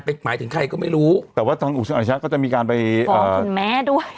เป็นหมายถึงใครก็ไม่รู้แต่ว่าตอนอุศิอาชะก็จะมีการไปฟ้องคุณแม่ด้วย